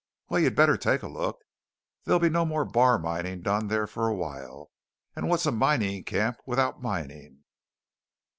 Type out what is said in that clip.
Well, you'd better take a look. There'll be no more bar mining done there for a while. And what's a mining camp without mining?